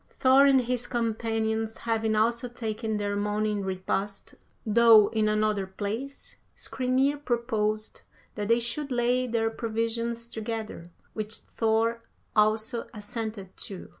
Thor and his companions having also taken their morning repast, though in another place, Skrymir proposed that they should lay their provisions together, which Thor also assented to.